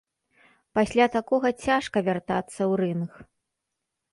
Пасля такога цяжка вяртацца ў рынг.